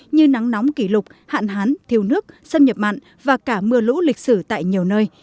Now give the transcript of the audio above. như nắng nóng kỷ lục hạn hán thiêu nước xâm nhập mặn và cả mưa lũ lịch sử tại nhiều nơi